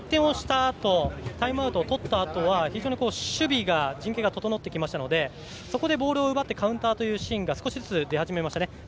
あとタイムアウトをとったあとは守備の陣形が整ってきたのでそこでボールを奪ってカウンターというシーンが少しずつ出始めました。